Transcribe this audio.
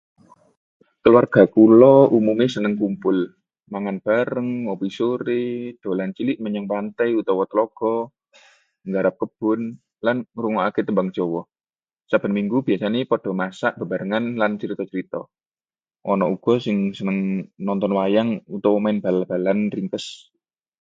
Keluarga kula umume seneng kumpul: mangan bareng, ngopi sore, dolan cilik menyang pantai utawa tlaga, nggarap kebon, lan ngrungokaké tembang Jawa. Saben Minggu biasane padha masak bebarengan lan crita-crita. Ana uga sing seneng nonton wayang utawa main bal-balan ringkes.